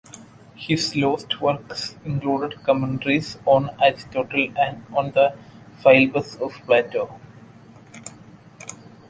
His lost works included commentaries on Aristotle and on the "Philebus" of Plato.